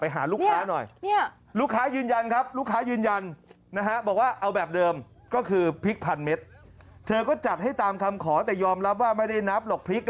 หรือเผ็ดมาก